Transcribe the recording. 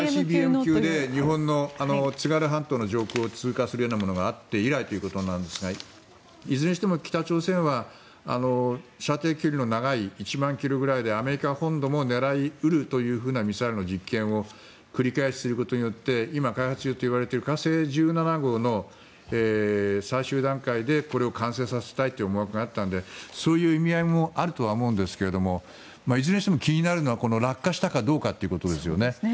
ＩＣＢＭ級で日本の津軽海峡を通過するようなものがあって以来ということなんですがいずれにしても北朝鮮は射程距離の長い１万ｋｍぐらいでアメリカ本土も狙い得るというぐらいミサイルの実験を繰り返しすることによって今、開発中といわれている火星１７号の最終段階でこれを完成させたいという思惑があったのでそういう意味合いもあると思うんですがいずれにしても気になるのは落下したかどうかということですね。